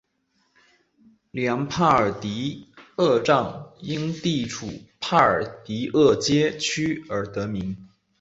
里昂帕尔迪厄站因地处帕尔迪厄街区而得名。